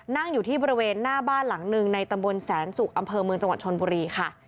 นั่งอยู่ที่บริเวณหน้าบ้านหลังหนึ่งในตำบลแสนสุกอำเภอเมืองจังหวัดชนบุรีค่ะ